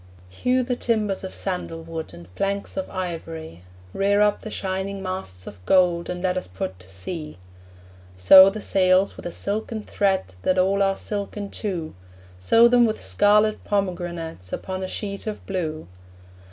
Hew the timbers of sandal wood, And planks of ivory; Rear up the shining masts of gold, And let us put to sea. Sew the sails with a silken thread That all are silken too; Sew them with scarlet pomegranates Upon a sheet of blue.